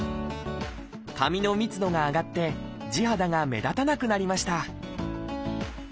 髪の密度が上がって地肌が目立たなくなりました。